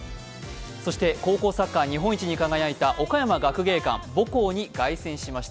そして高校サッカー日本一に輝いた岡山学芸館、母校に凱旋しました。